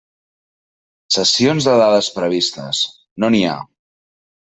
Cessions de dades previstes: no n'hi ha.